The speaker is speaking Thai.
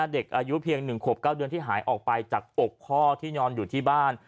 เด็กอายุเพียง๑ขวบ๙เดือนที่หายออกไปจากอกพ่อที่นอนอยู่ที่บ้าน